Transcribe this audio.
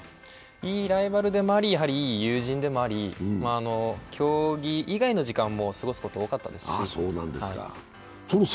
いいライバルでもあり、いい友人でもあり、競技以外の時間も過ごすこと多かったですし。